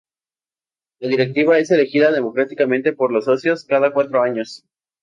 La directiva es elegida democráticamente por los socios cada cuatro años.